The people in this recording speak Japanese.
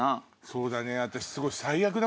そうだね。